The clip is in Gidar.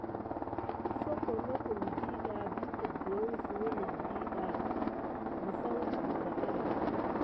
Soko nokum ɗiɗɑ vi guboho suyune net ɗiɗa alan nisaku bebaya.